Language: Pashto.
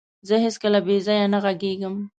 زه هيڅکله بيځايه نه غږيږم.